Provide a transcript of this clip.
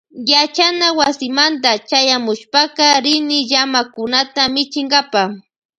Yachana wasimanta chayamushpaka rini llamakunata michinkapa.